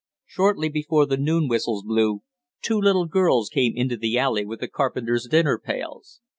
Shortly before the noon whistles blew, two little girls came into the alley with the carpenters' dinner pails.